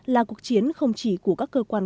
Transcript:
là cuộc chiến không chỉ của các cơ quan